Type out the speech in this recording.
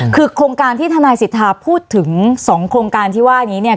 คือโครงการที่ทนายสิทธาพูดถึง๒โครงการที่ว่านี้เนี่ย